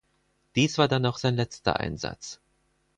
Dies war dann auch sein letzter Einsatz.